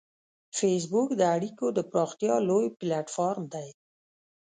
فېسبوک د اړیکو د پراختیا لوی پلیټ فارم دی